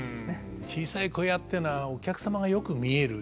小さい小屋っていうのはお客様がよく見える。